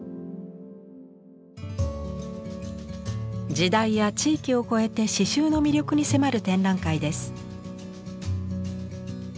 時代や地域を超えて刺繍の魅力に迫る展覧会です。